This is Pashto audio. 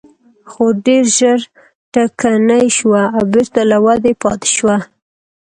خو ډېر ژر ټکنۍ شوه او بېرته له ودې پاتې شوه.